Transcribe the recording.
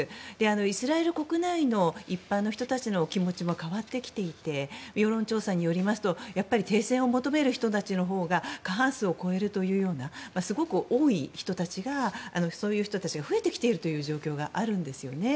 イスラエル国内の一般の人たちの気持ちも変わってきていて世論調査によりますと停戦を求める人たちのほうが過半数を超えるというようなすごく多い人たちが増えてきているという状況があるんですよね。